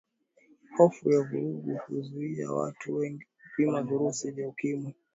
hofu ya vurugu huzuia watu wengi kupima virusi vya ukimwi